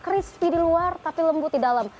crispy di luar tapi lembut di dalam